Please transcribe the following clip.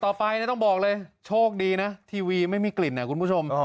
ต่อไปต้องบอกเลยโชคดีนะทีวีไม่มีกลิ่นนะคุณผู้ชม